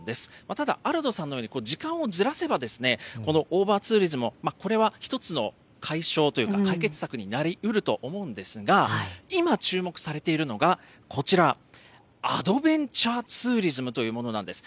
ただ、アルドさんのように時間をずらせば、このオーバーツーリズムを、これは一つの解消というか、解決策になりうると思うんですが、今、注目されているのがこちら、アドベンチャーツーリズムというものなんです。